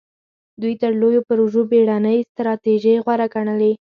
دوی تر لویو پروژو بېړنۍ ستراتیژۍ غوره ګڼلې.